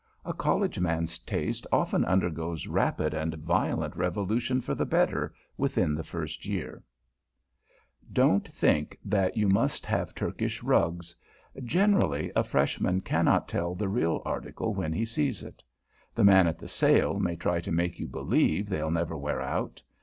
A College man's taste often undergoes rapid and violent revolution for the better, within the first year. [Sidenote: A WORD ABOUT RUGS] Don't think that you must have Turkish rugs. Generally, a Freshman cannot tell the real article when he sees it. The man at the sale may try to make you believe they'll never wear out.